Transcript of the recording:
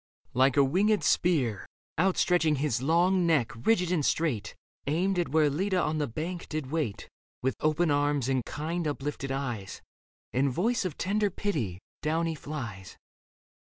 Like a winged spear, Outstretching his long neck, rigid and straight. Aimed at where Leda on the bank did wait With open arms and kind, uplifted eyes And voice of tender pity, down he flies.